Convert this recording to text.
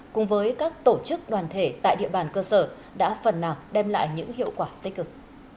cùng với các tổ chức đoàn thể tại địa bàn cơ sở đã phần nào đem lại những hiệu quả tích cực